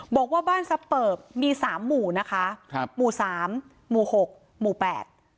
บอกว่าบ้านสเปิบมีสามหมู่นะคะครับหมู่สามหมู่หกหมู่แปด